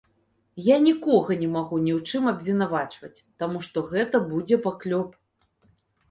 Я нікога не магу ні ў чым абвінавачваць, таму што гэта будзе паклёп.